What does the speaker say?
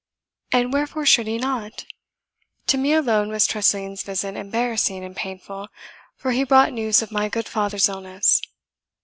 "And wherefore should he not? To me alone was Tressilian's visit embarrassing and painful, for he brought news of my good father's illness."